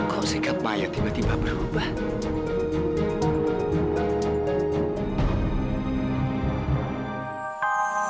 kau sih kebayang tiba tiba berubah